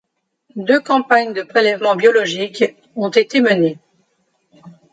Deux campagnes de prélèvements biologiques ont été menées.